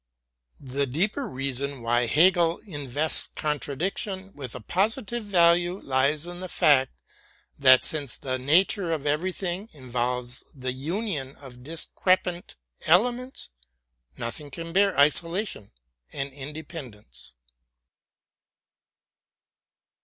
The deeper reason why Hegel in vests contradiction with a positive value lies in the fact that, since the nature of everything involves the union of dis crepant elements, nothing can bear isolation and inde pendence.